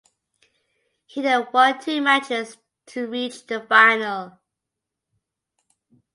He then won two matches to reach the final.